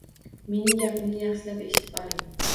Mening gapimni yaxshilab eshitib oling